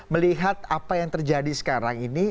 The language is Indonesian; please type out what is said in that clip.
melihat apa yang terjadi sekarang ini